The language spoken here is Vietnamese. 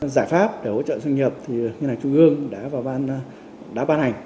giải pháp để hỗ trợ doanh nghiệp thì ngân hàng trung ương đã ban hành